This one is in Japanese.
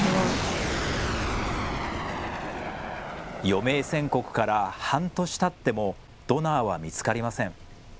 余命宣告から半年たってもドナーは見つかりません。